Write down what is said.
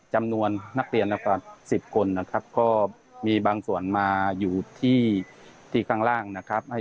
จำนวนนักเรียนกว่า๑๐คนนะครับก็มีบางส่วนมาอยู่ที่ข้างล่างนะครับ